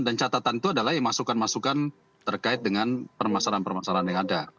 dan catatan itu adalah yang masukan masukan terkait dengan permasalahan permasalahan yang ada